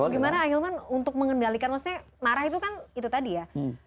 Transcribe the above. karena akhirnya untuk mengendalikan maksudnya marah itu kan itu tadi ya